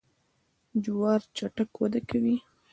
جوار چټک وده کوي.